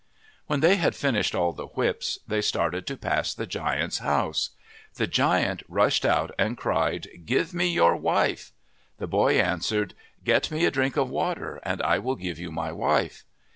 When they had finished all the whips, they started to pass the giant's house. The giant rushed out and 83 MYTHS AND LEGENDS cried, " Give me your wife !' The boy answered, " Get me a drink of water and I will give you my wife."